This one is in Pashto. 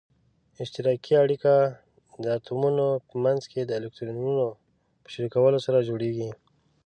اشتراکي اړیکه د اتومونو په منځ کې د الکترونونو په شریکولو سره جوړیږي.